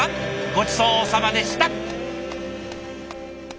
ごちそうさまでした。